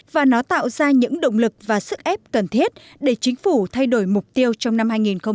và nó tạo ra những động lực và sức ép cần thiết để chính phủ thay đổi mục tiêu trong năm hai nghìn hai mươi